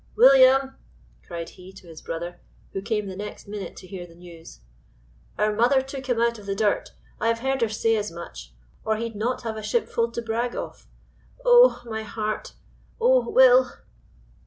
"William," cried he, to his brother, who came the next minute to hear the news, "our mother took him out of the dirt. I have heard her say as much or he'd not have a ship fold to brag of. Oh! my heart oh! Will!